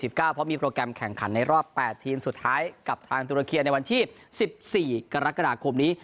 เพราะมีโปรแกรมแข่งขันในรอบ๘ทีมสุดท้ายกับทางตุรเคียในวันที่๑๔กรกฎาคมนี้